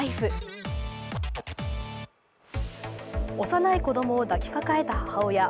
幼い子供を抱きかかえた母親。